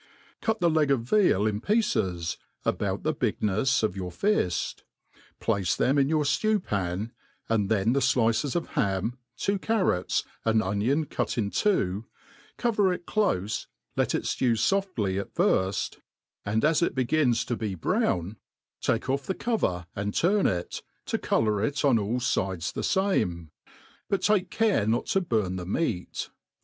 Cut the leg of veal in pieces, about the bignefs of your fift ; place them in your ftew pan, and then the flices of ham, two carrats, an onion cut in two, cover it clofe^ Ift it flew fofcly at flrfl, and as it begins MADE PLAIN Alfl>. E.ASY. 109 to be brown, take biF tbe cover and turn it, tp colour it on all fides the fame ; but take care not' to burn tbe meat.